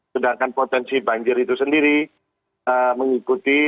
sedangkan potensi banjir itu sendiri mengikuti